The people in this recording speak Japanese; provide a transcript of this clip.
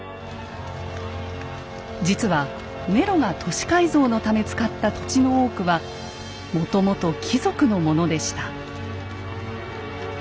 実はネロが都市改造のため使った土地の多くはもともと貴族のものでした。